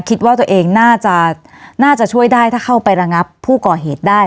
คิดว่าตัวเองน่าจะน่าจะช่วยได้ถ้าเข้าไประงับผู้ก่อเหตุได้